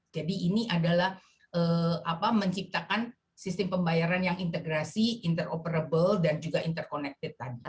jadi ini adalah menciptakan sistem pembayaran yang integrasi interoperable dan juga interconnected